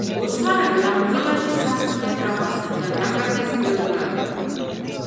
ოსმალები ამ ბრძოლაში სასტიკად დამარცხდნენ და დაკარგეს ბელგრადი.